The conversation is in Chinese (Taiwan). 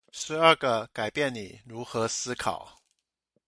十二個改變你如何思考